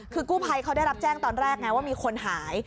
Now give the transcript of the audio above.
คือกู้ภัยเขาได้รับแจ้งตอนแรกไงว่ามีคนหาย